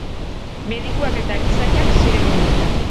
Medikuak eta erizainak ziren gehienak.